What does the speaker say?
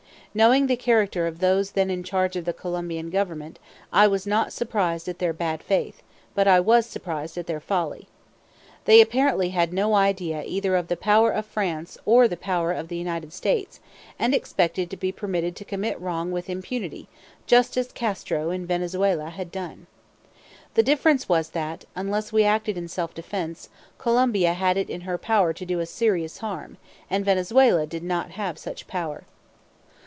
Knowing the character of those then in charge of the Colombian Government, I was not surprised at their bad faith; but I was surprised at their folly. They apparently had no idea either of the power of France or the power of the United States, and expected to be permitted to commit wrong with impunity, just as Castro in Venezuela had done. The difference was that, unless we acted in self defense, Colombia had it in her power to do us serious harm, and Venezuela did not have such power.